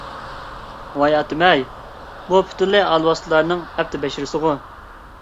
ۋاي ئاتىمەي! بۇ پۈتۈنلەي ئالۋاستىلارنىڭ ئەپت - بەشىرىسىغۇ!